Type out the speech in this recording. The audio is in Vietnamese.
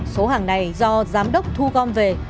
số hàng này do giám đốc thu gom về